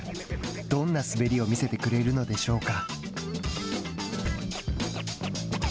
どんな滑りを見せてくれるのでしょうか。